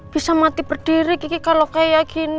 bisa mati berdiri kiki kalau kayak gini